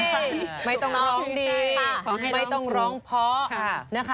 สวัสดีค่ะสวัสดีค่ะ